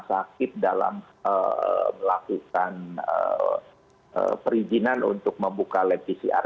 sakit dalam melakukan perizinan untuk membuka lab pcr